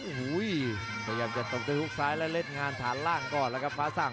หู้ยยยยพยายามจะตกไปทึบหุ้กซ้ายและเล่นงานฐานล่างก่อนล่ะครับฟ้าศัง